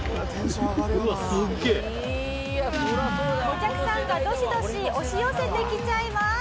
お客さんがドシドシ押し寄せてきちゃいます。